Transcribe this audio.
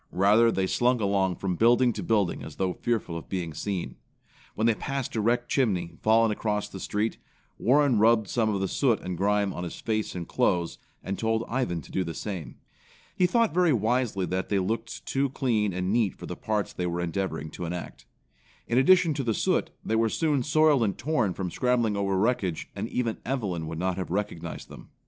Rather, they slunk along from building to building as though fearful of being seen. When they passed a wrecked chimney, fallen across the street, Warren rubbed some of the soot and grime on his face and clothes, and told Ivan to do the same. He thought very wisely that they looked too clean and neat for the parts they were endeavoring to enact. In addition to the soot, they were soon soiled and torn from scrambling over wreckage and even Evelyn would not have recognized them.